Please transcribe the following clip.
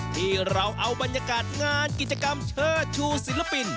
ที่เราเอาบรรยากาศงานกิจกรรมเชิดชูศิลปิน